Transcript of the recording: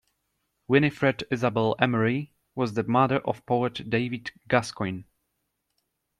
Winifred Isabel Emery was the mother of poet David Gascoyne.